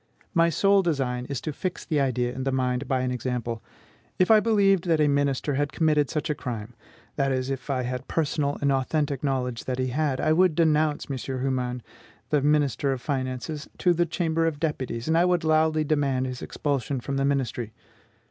My sole design is to fix the idea in the mind by an example. If I believed that a minister had committed such a crime, that is, if I had personal and authentic knowledge that he had, I would denounce M. Humann, the minister of finances, to the Chamber of Deputies, and would loudly demand his expulsion from the ministry.